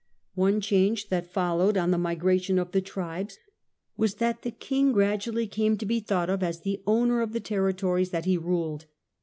One change that followed on the migration of the tribes was that the king gradually came to be thought of as the owner of the territories that he ruled.